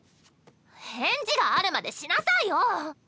返事があるまでしなさいよ！